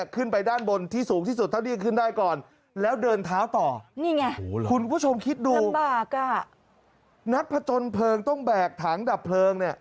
คุณผู้ชมคิดดูนักผจญเพลิงต้องแบกถังดับเพลิง